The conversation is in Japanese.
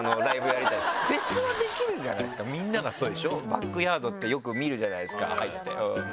バックヤードってよく見るじゃないですか。